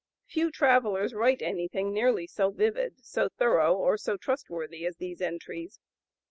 Few travellers write anything nearly so vivid, so (p. 074) thorough, or so trustworthy as these entries.